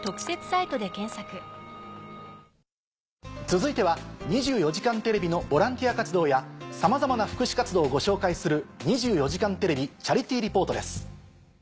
続いては『２４時間テレビ』のボランティア活動やさまざまな福祉活動をご紹介する。